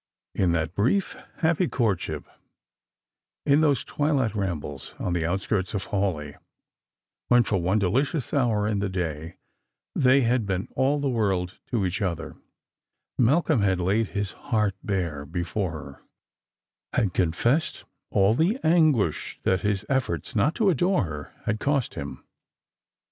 In that brief happy courtship, in those twiUt rambles on the outskirts of Hawleigh, when for one delicious hour in the day they had been all the world to each other, Malcolm had laid hia heart bare before her, had confessed all the anguish that his efforts not to adore her had cost him.